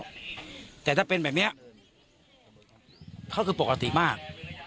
แต่ถ้าเป็นแบบเนี้ยเขาคือปกติมาก